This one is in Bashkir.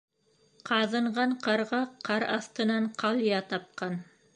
Ҡаҙынған ҡарға ҡар аҫтынан ҡалъя тапҡан